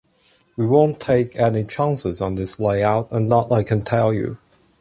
We won't take any chances on this layout, and that I can tell you.